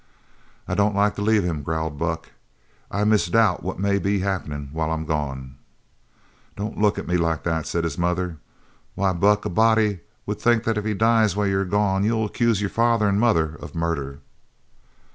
"I don't like to leave him," growled Buck. "I misdoubt what may be happenin' while I'm gone." "Don't look at me like that," said his mother. "Why, Buck, a body would think that if he dies while you're gone you'll accuse your father an' mother of murder."